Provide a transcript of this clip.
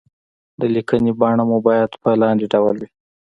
د ليکنې بڼه مو بايد په لاندې ډول وي.